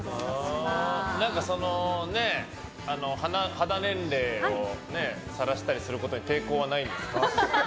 肌年齢をさらしたりすることに抵抗はないんですか。